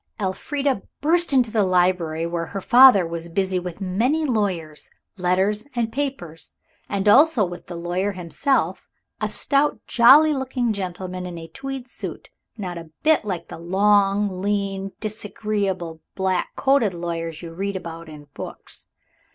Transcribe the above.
Elfrida burst into the library where her father was busy with many lawyers' letters and papers, and also with the lawyer himself, a stout, jolly looking gentleman in a tweed suit, not a bit like the long, lean, disagreeable, black coated lawyers you read about in books.